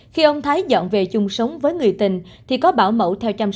khi ông thái dọn về chung sống với người tình thì có bảo mẫu theo trang báo